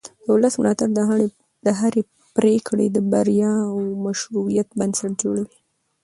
د ولس ملاتړ د هرې پرېکړې د بریا او مشروعیت بنسټ جوړوي